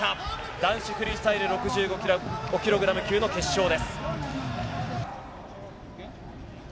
男子フリースタイル、６５ｋｇ級の決勝です。